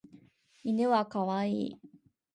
犬は可愛い。